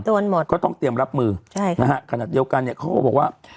ตรวจหมดเขาต้องเตรียมรับมือใช่ค่ะนะฮะขณะเดียวกันเนี้ยเขาก็บอกว่า